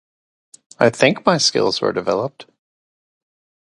I think my skills were developed.